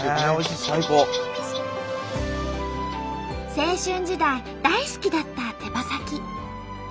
青春時代大好きだった手羽先。